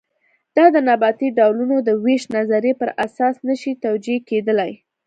دا د نباتي ډولونو د وېش نظریې پر اساس نه شي توجیه کېدلی.